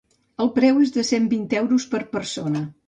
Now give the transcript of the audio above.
El preu és de cent vint euros per persona.